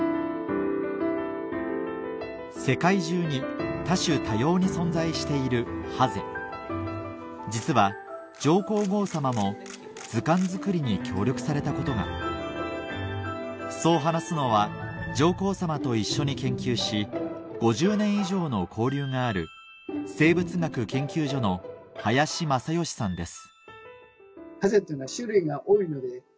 世界中に多種多様に存在しているハゼ実は上皇后さまも図鑑作りに協力されたことがそう話すのは上皇さまと一緒に研究し５０年以上の交流がある生物学研究所の林公義さんです